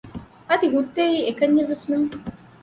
އަދި ހުއްދައީ އެކަންޏެއް ވެސް ނޫން